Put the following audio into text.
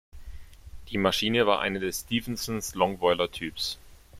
Die Maschine war eine des Stephensons-Longboilertyps.